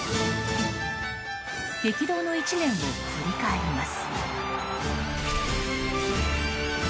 激動の１年を振り返ります。